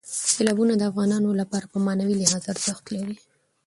سیلابونه د افغانانو لپاره په معنوي لحاظ ارزښت لري.